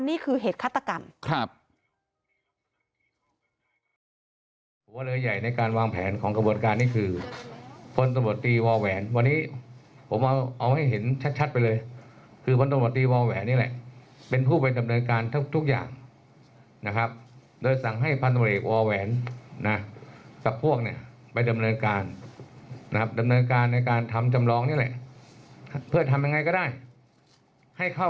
ทีนี้เรามาดูขาซ้ายนะคะ